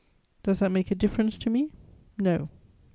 Does that make a difference to me? No.